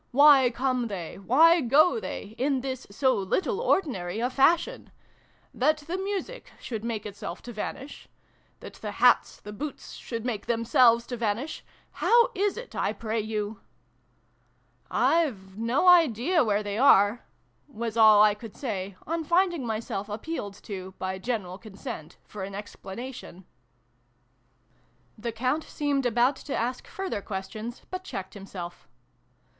"Why come they, why go they, in this so little ordinary a fashion ? That the music should make itself to vanish that the hats, the boots, should make themselves to vanish how is it, I pray you ?"" I've no idea where they are !" was all I could say, on finding myself appealed to, by general consent, for an explanation. 254 SYLVIE AND BRUNO CONCLUDED. The Count seemed about to ask further questions, but checked himself.